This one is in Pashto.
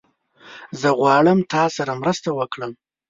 زه غواړم تاسره مرسته وکړم